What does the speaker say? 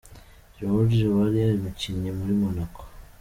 George Weah akiri umukinnyi muri Monaco.